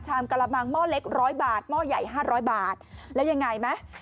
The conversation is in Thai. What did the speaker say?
หม้อเล็ก๑๐๐บาทหม้อใหญ่๕๐๐บาทแล้วยังไงแม่